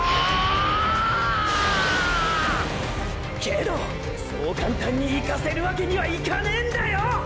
けどそう簡単にいかせるわけにはいかねェんだよ！！